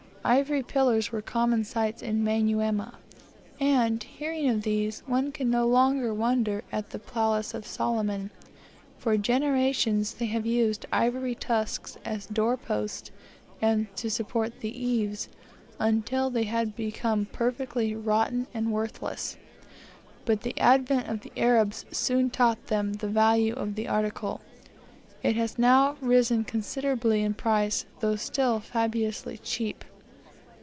Ivory pillars were common sights in Manyuema, and, hearing of these, one can no longer, wonder at the ivory palace of Solomon. For generations they have used ivory tusks as door posts and supports to the eaves, until they had become perfectly rotten and worthless. But the advent of the Arabs soon taught them the value of the article. It has now risen considerably in price, though still fabulously cheap.